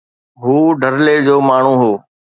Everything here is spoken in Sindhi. هو ڍرلي جو ماڻهو هو.